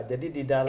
jadi di dalam